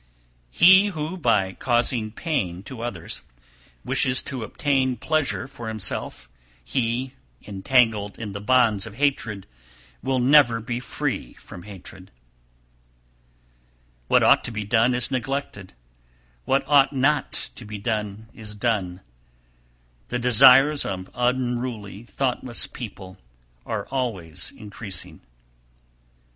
He who, by causing pain to others, wishes to obtain pleasure for himself, he, entangled in the bonds of hatred, will never be free from hatred. 292. What ought to be done is neglected, what ought not to be done is done; the desires of unruly, thoughtless people are always increasing.